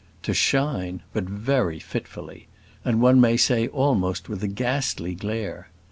To shine! but very fitfully; and one may say almost with a ghastly glare.